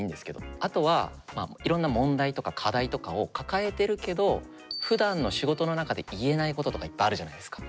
あとはまあいろんな問題とか課題とかを抱えてるけどふだんの仕事の中で言えないこととかいっぱいあるじゃないですか。